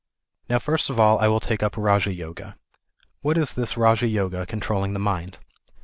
Now first of all I will take up Raja Yoga. What is this Raja Yoga, controlling the mind